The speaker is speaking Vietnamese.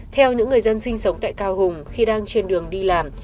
theo những người dân sinh sống tại cao hùng khi đang trên đường đi làm